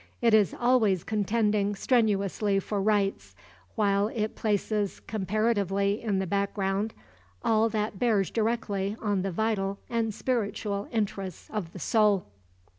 It is always contending strenuously for rites, while it places comparatively in the background all that bears directly on the vital and spiritual interests of the soul.